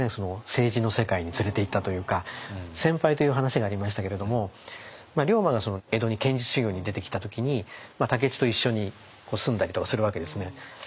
政治の世界に連れていったというか先輩という話がありましたけれども龍馬が江戸に剣術修行に出てきた時に武市と一緒に住んだりとかするわけですね。